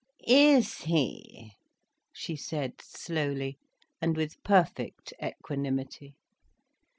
"Is he?" she said slowly, and with perfect equanimity.